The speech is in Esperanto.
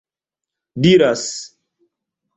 diras